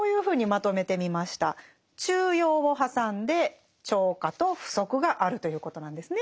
中庸を挟んで超過と不足があるということなんですね